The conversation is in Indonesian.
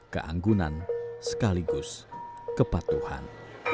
keanggunan sekaligus kepatuhan